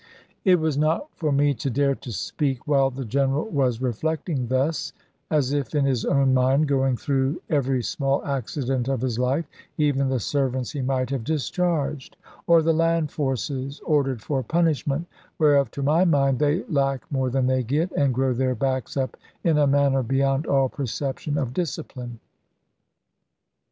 It was not for me to dare to speak, while the General was reflecting thus, as if in his own mind going through every small accident of his life; even the servants he might have discharged; or the land forces ordered for punishment, whereof to my mind they lack more than they get, and grow their backs up in a manner beyond all perception of discipline.